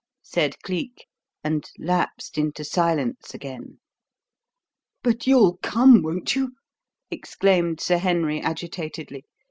said Cleek, and lapsed into silence again. "But you'll come, won't you?" exclaimed Sir Henry agitatedly.